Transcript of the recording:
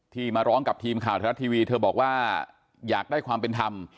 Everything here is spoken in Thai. มาร้องกับทีมข่าวไทยรัฐทีวีเธอบอกว่าอยากได้ความเป็นธรรม